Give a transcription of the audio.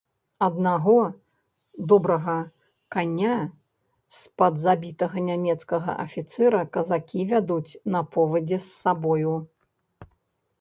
Аднаго, добрага, каня з-пад забітага нямецкага афіцэра казакі вядуць на повадзе з сабою.